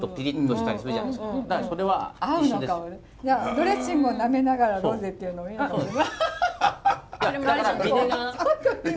ドレッシングをなめながらロゼっていうのもいいのかもしれない。